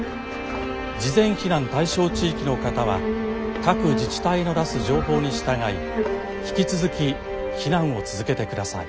事前避難対象地域の方は各自治体の出す情報に従い引き続き避難を続けてください。